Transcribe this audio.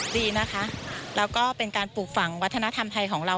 ดีนะคะแล้วก็เป็นการปลูกฝังวัฒนธรรมไทยของเรา